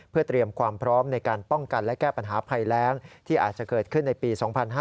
เพื่อเตรียมความพร้อมในการป้องกันและแก้ปัญหาภัยแรงที่อาจจะเกิดขึ้นในปี๒๕๕๙